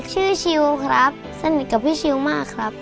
ชิวครับสนิทกับพี่ชิวมากครับ